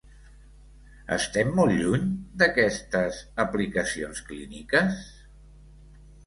Estem molt lluny d’aquestes aplicacions clíniques?